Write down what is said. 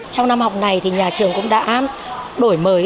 trong năm học này thì nhà trường cũng đã đổi mới